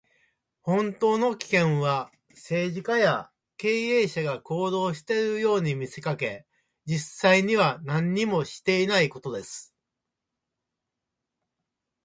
本当の危険は、政治家や経営者が行動しているように見せかけ、実際には何もしていないことです。